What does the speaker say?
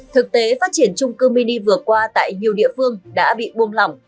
thực tế phát triển trung cư mini vừa qua tại nhiều địa phương đã bị buông lỏng